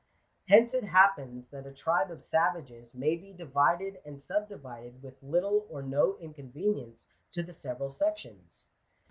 Hence it happens that a tribe of savages may be divided and subdivided with little or no inconvenience to the several sections.